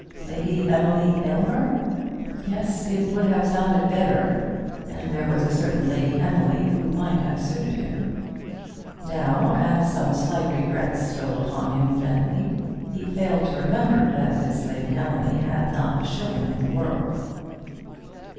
Lady Emily Aylmer? Yes; it would have sounded better, and there was a certain Lady Emily who might have suited. Now, as some slight regrets stole upon him gently, he failed to remember that this Lady Emily had not a shilling in the world.